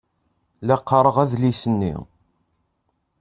La qqaṛeɣ adlis-nni.